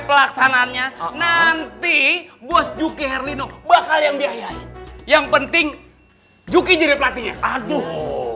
pelaksanaannya nanti bos juki herlino bakal yang biayain yang penting juki jadi pelatihnya aduh